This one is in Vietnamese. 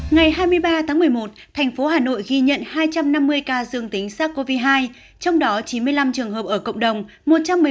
ngày hai mươi ba tháng một mươi một thành phố hà nội ghi nhận hai trăm năm mươi ca dương tính sars cov hai trong đó chín mươi năm trường hợp ở cộng đồng